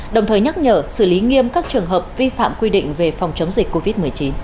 đồng thời nhắc nhở xử lý nghiêm các trường hợp vi phạm quy định về phòng chống dịch covid một mươi chín